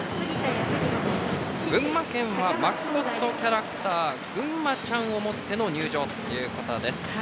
群馬県はマスコットキャラクターぐんまちゃんを持っての入場ということです。